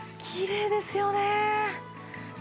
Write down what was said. きれいですよねえ。